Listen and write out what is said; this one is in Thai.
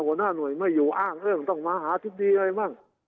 หัวหน้าหน่วยไม่อยู่อ้างเอิ้งต้องมาหาธิบดีอะไรมั่ง